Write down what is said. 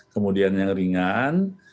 kemudian yang ringan